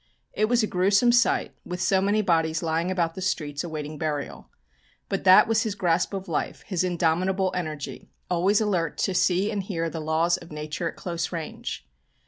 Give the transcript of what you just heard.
It was a gruesome sight, with so many bodies lying about the streets awaiting burial. But that was his grasp of life, his indomitable energy, always alert to see and hear the laws of nature at close range.